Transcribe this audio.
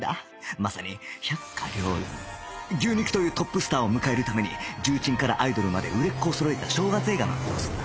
まさに百花繚乱牛肉というトップスターを迎えるために重鎮からアイドルまで売れっ子をそろえた正月映画の様相だ